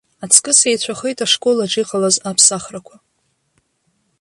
Аҵкыс еицәахеит ашколаҿ иҟалаз аԥсахрақәа.